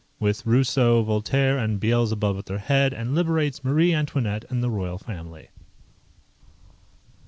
with Rousseau, Voltaire, and Beelzebub at their head, and liberates Marie Antoinette and the Royal Family.